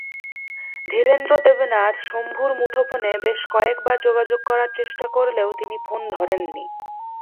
ধীরেন্দ্র দেবনাথ শম্ভুর মুঠোফোনে বেশ কয়েকবার যোগাযোগ করার চেষ্টা করলেও তিনি ফোন ধরেননি।